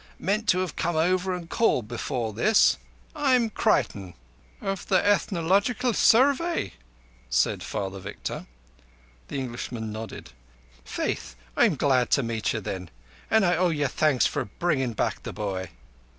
Meant to have come over and called before this. I'm Creighton." "Of the Ethnological Survey?" said Father Victor. The Englishman nodded. "Faith, I'm glad to meet ye then; an' I owe you some thanks for bringing back the boy."